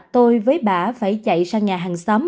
tôi với bà phải chạy sang nhà hàng xóm